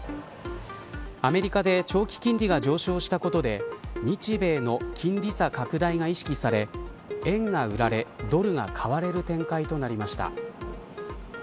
アメリカで長期金利が上昇したことで日米の金利差拡大が意識され円が売られ、ドルが買われる展開となりました。